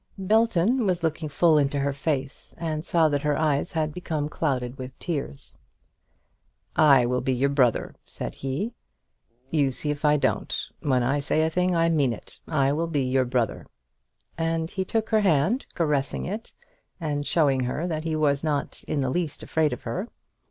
Belton was looking full into her face, and saw that her eyes had become clouded with tears. "I will be your brother," said he. "You see if I don't. When I say a thing I mean it. I will be your brother." And he took her hand, caressing it, and showing her that he was not in the least afraid of her.